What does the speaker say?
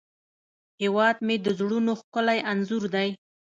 هیواد مې د زړونو ښکلی انځور دی